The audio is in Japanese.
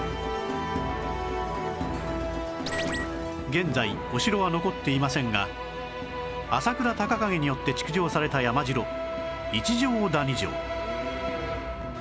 現在お城は残っていませんが朝倉孝景によって築城された山城一乗谷城